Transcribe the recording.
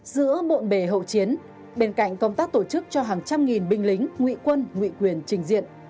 giữa bộn bề hậu chiến bên cạnh công tác tổ chức cho hàng trăm nghìn binh lính ngụy quân ngụy quyền trình diện